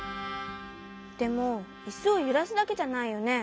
でもイスをゆらすだけじゃないよね？